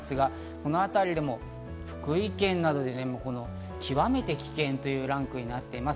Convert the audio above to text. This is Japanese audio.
このあたりを見ると福井県などで極めて危険というランクになっています。